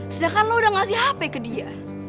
sedangkan lo udah ngasih hp ke dia